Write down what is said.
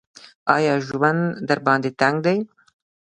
ایا ژوند درباندې تنګ دی ؟